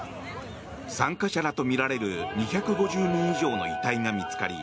参加者らとみられる２５０人以上の遺体が見つかり